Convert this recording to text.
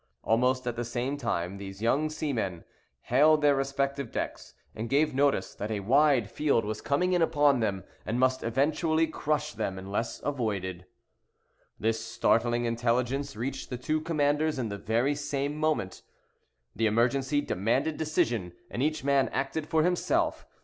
Almost at the same instant, these young seamen hailed their respective decks, and gave notice that a wide field was coming in upon them, and must eventually crush them, unless avoided. This startling intelligence reached the two commanders in the very same moment. The emergency demanded decision, and each man acted for himself.